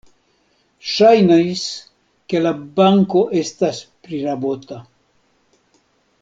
Ŝajnis, ke la banko estas prirabota.